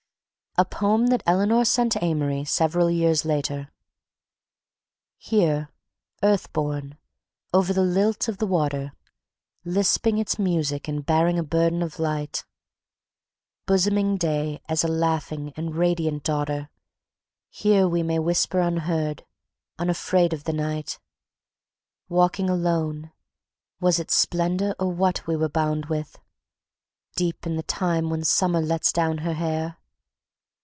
A POEM THAT ELEANOR SENT AMORY SEVERAL YEARS LATER "Here, Earth born, over the lilt of the water, Lisping its music and bearing a burden of light, Bosoming day as a laughing and radiant daughter... Here we may whisper unheard, unafraid of the night. Walking alone... was it splendor, or what, we were bound with, Deep in the time when summer lets down her hair?